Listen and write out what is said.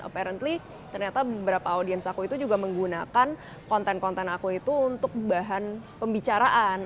parently ternyata beberapa audiens aku itu juga menggunakan konten konten aku itu untuk bahan pembicaraan